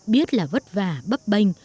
biết là vất vả bấp bênh